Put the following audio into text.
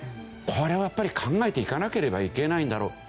これはやっぱり考えていかなければいけないんだろう。